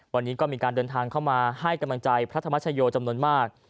วันนี้ก็มีการเดินทางเข้ามาให้กำลังใจพระธรรมชโยจำนวนมาก